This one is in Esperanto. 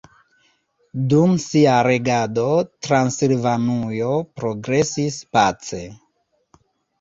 Dum sia regado Transilvanujo progresis pace.